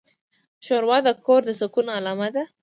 ښوروا د کور د سکون علامه ده.